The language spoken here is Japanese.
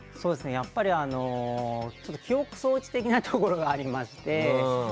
やっぱり記憶装置的なところがありまして。